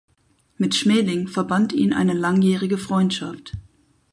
Mit Schmeling verband ihn eine langjährige Freundschaft.